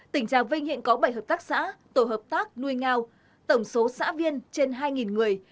tỉnh trà vinh hiện có bảy hợp tác xã tổ hợp tác nuôi ngao tổng số xã viên trên hai người